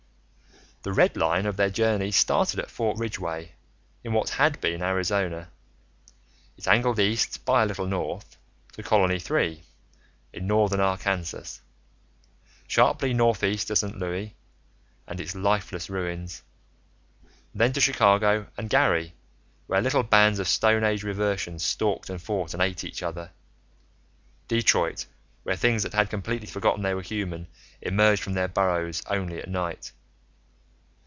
The red line of their journey started at Fort Ridgeway, in what had been Arizona. It angled east by a little north, to Colony Three, in northern Arkansas ... sharply northeast to St. Louis and its lifeless ruins ... then to Chicago and Gary, where little bands of Stone Age reversions stalked and fought and ate each other ... Detroit, where things that had completely forgotten they were human emerged from their burrows only at night